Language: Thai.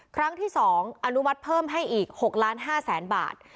ครั้งที่๒อนุมัติเพิ่มให้อีก๖ล้าน๕แสนบาท